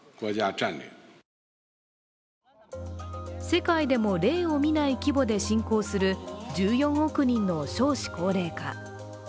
世界でも例を見ない規模で進行する１４億人の少子高齢化。